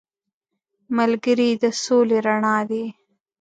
ملګری د سولې رڼا دی